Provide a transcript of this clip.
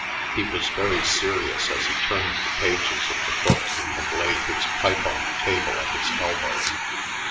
He was very serious as he turned the pages of the book and laid his pipe on the table at his elbow.